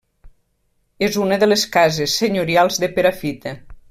És una de les cases senyorials de Perafita.